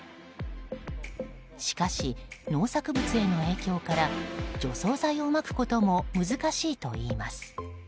しかし、農作物などへの影響から除草剤をまくことも難しいといいます。